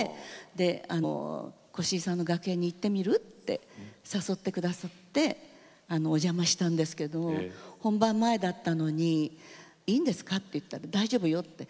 で「越路さんの楽屋に行ってみる？」って誘って下さってお邪魔したんですけど本番前だったのに「いいんですか？」って言ったら「大丈夫よ」って。